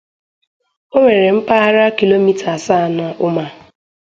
Ọ nwere mpaghara kilomita asaa na ụma.